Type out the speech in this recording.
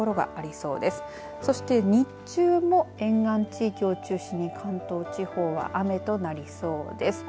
そして日中も沿岸地域を中心に関東地方は雨となりそうです。